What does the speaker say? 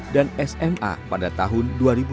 dan sma pada tahun dua ribu tujuh belas